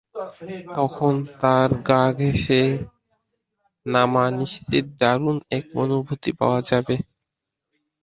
তখন তার গা ঘেঁষে নামা নিশ্চিত দারুণ এক অনুভূতি পাওয়া যাবে।